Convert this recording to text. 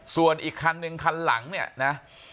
ส่วนอีกคันนึงคันหลังเนี่ยนะ